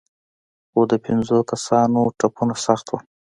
خو د پنځو کسانو ټپونه سخت وو.